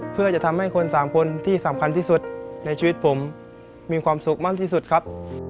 เพื่อจะทำให้คนสามคนที่สำคัญที่สุดในชีวิตผมมีความสุขมากที่สุดครับ